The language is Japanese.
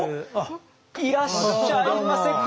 あっいらっしゃいませ！